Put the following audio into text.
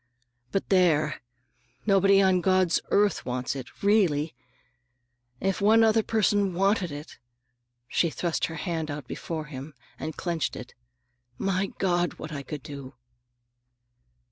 "But there! nobody on God's earth wants it, really! If one other person wanted it,"—she thrust her hand out before him and clenched it,—"my God, what I could do!"